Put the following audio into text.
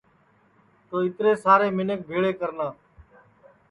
تو اِترے سارے منکھ بھیݪے کرنا